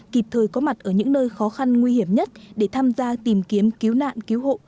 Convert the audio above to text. kịp thời có mặt ở những nơi khó khăn nguy hiểm nhất để tham gia tìm kiếm cứu nạn cứu hộ